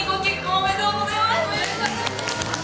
おめでとうございます。